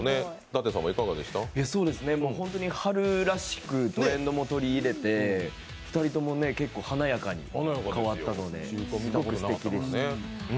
本当に春らしくトレンドも取り入れて２人とも結構華やかに変わったのですごくすてきでした。